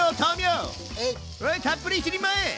たっぷり一人前！